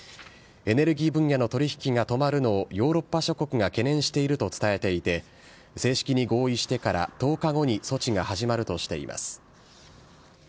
エネルギー分野の取り引きが止まるのをヨーロッパ諸国が懸念していると伝えていて、正式に合意してから１０日後に措置が始まるとしています。